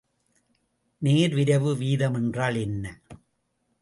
நேர்விரைவு வீதம் என்றால் என்ன?